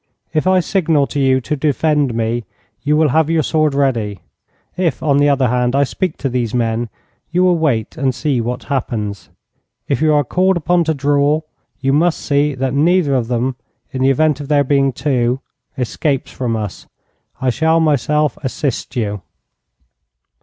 If I signal to you to defend me, you will have your sword ready. If, on the other hand, I speak to these men, you will wait and see what happens. If you are called upon to draw, you must see that neither of them, in the event of there being two, escapes from us. I shall myself assist you.'